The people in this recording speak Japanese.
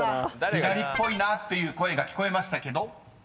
［「左っぽいな」という声が聞こえましたけど］